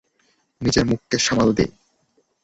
নিজের মুখকে সামাল দে!